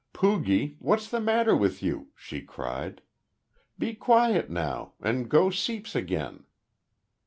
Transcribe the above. "Poogie. What's the matter with you?" she cried. "Be quiet now, and go seeps again."